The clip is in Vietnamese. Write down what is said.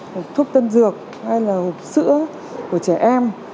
hộp thuốc tân dược hay là hộp sữa của trẻ em